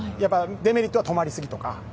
デメリットは止まりすぎとか。